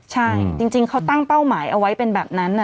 ใช่จริงเขาตั้งเป้าหมายเอาไว้เป็นแบบนั้น